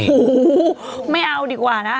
โอ้โหไม่เอาดีกว่านะ